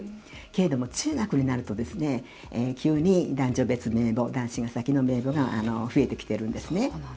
けれども、中学になると急に男女別名簿男子が先の名簿が増えてきてるんですね。